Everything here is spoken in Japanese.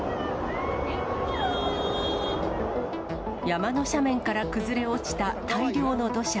山の斜面から崩れ落ちた大量の土砂。